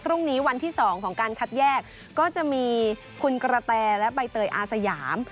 พรุ่งนี้วันที่๒ของการคัดแยกก็จะมีคุณกระแตและใบเตยอาสยาม